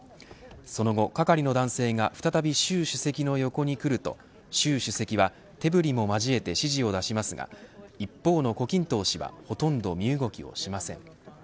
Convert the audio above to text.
その後、係の男性が再び習主席の横に来ると習主席は手振りも交えて指示を出しますが一方の胡錦濤氏は、ほとんど身動きをしません。